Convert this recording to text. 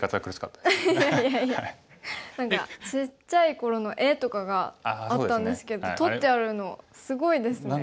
何かちっちゃい頃の絵とかがあったんですけど取ってあるのすごいですね。